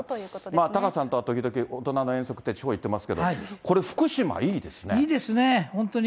高さんとは時々、大人の遠足で地方に行ってますけど、これ、福島いいですね、本当に。